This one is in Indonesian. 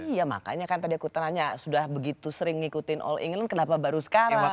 iya makanya kan tadi aku tanya sudah begitu sering ngikutin all england kenapa baru sekarang